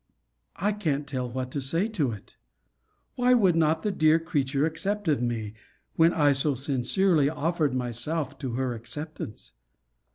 I can't tell what to say to it. Why would not the dear creature accept of me, when I so sincerely offered myself to her acceptance?